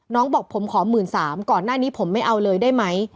บอกผมขอ๑๓๐๐ก่อนหน้านี้ผมไม่เอาเลยได้ไหม